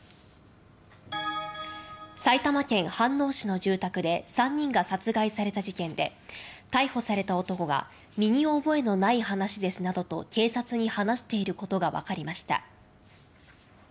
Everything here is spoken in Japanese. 埼玉県飯能市の住宅で３人が殺害された事件で逮捕された男が「身に覚えのない話です」などと警察に話していることがわかりました。